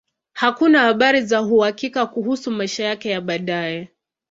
Hakuna habari za uhakika kuhusu maisha yake ya baadaye.